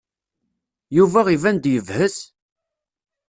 Yuba iban-d yebhet.